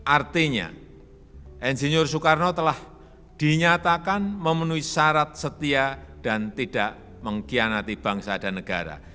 artinya insinyur soekarno telah dinyatakan memenuhi syarat setia dan tidak mengkhianati bangsa dan negara